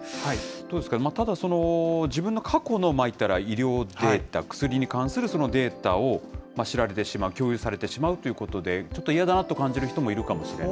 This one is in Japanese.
どうですか、ただ自分の過去の言ったら、医療データ、薬に関するそのデータを知られてしまう、共有されてしまうということで、ちょっと嫌だなと感じる人もいるかもしれない。